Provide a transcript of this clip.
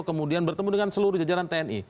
kemudian bertemu dengan seluruh jajaran tni